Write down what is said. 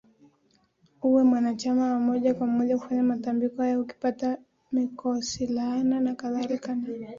uwe mwanachama wa moja kwa moja kufanya matambiko haya Ukipata mikosilaana nakadhalika na